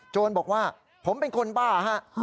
โจรบอกว่าผมเป็นคนบ้าฮะ